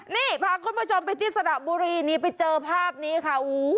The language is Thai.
นี่พาคุณผู้ชมไปที่สระบุรีนี่ไปเจอภาพนี้ค่ะ